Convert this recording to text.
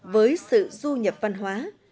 với sự du nhập văn hoá